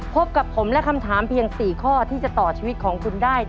พบกับผมและคำถามเพียง๔ข้อที่จะต่อชีวิตของคุณได้